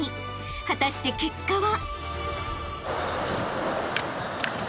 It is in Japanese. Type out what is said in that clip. ［果たして結果は？］